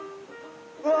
うわ！